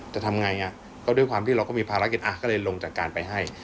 ทำไงก็ด้วยความที่เราก็มีภารกิจก็เลยลงจากการไปให้